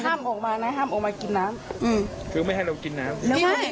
ออกมานะห้ามออกมากินน้ำอืมคือไม่ให้เรากินน้ำหรือไม่